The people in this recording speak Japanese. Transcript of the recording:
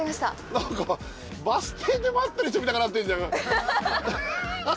何かバス停で待ってる人みたくなってんじゃん。